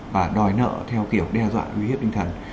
và đòi nợ theo kiểu đe dọa huy hiếp linh thần